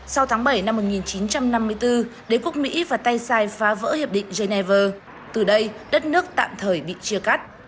sau tháng bảy năm một nghìn chín trăm năm mươi bốn đế quốc mỹ và tây sai phá vỡ hiệp định geneva từ đây đất nước tạm thời bị chia cắt